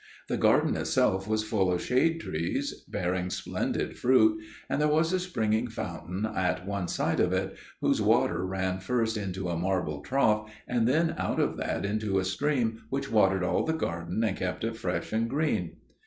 The garden itself was full of shady trees, bearing splendid fruit; and there was a springing fountain at one side of it, whose water ran first into a marble trough, and then out of that into a stream which watered all the garden and kept it fresh and green.